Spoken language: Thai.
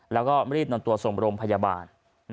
แล้วก็รีบนอนตัวสมรมพยาบาล